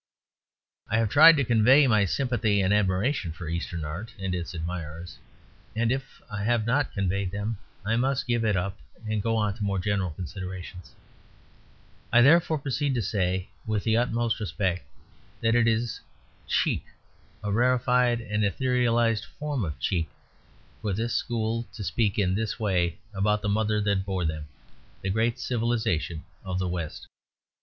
I have tried to convey my sympathy and admiration for Eastern art and its admirers, and if I have not conveyed them I must give it up and go on to more general considerations. I therefore proceed to say with the utmost respect, that it is Cheek, a rarefied and etherealised form of Cheek, for this school to speak in this way about the mother that bore them, the great civilisation of the West.